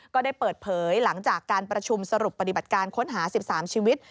ก็ได้เปิดเผยหลังจากการประชุมสรุปปฏิบัติการค้นหา๑๓ชีวิต